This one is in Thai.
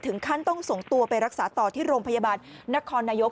ขั้นต้องส่งตัวไปรักษาต่อที่โรงพยาบาลนครนายก